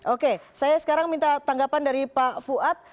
oke saya sekarang minta tanggapan dari pak fuad